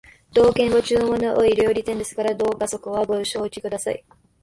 当軒は注文の多い料理店ですからどうかそこはご承知ください